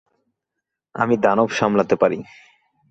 আমি দানব সামলাতে পারি।